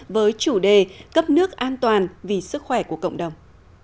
với chủ đề cấp nước an toàn vì sức khỏe của cộng đồng